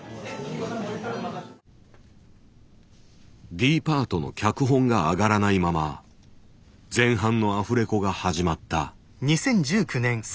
Ｄパートの脚本が上がらないまま前半のアフレコが始まった。